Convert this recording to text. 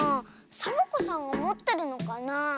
サボ子さんがもってるのかなあ。